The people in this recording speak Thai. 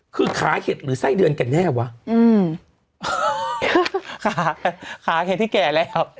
คือขาเห็ดหรือไส้เดือนกันแน่วะอืมขาขาเห็ดที่แก่แล้ว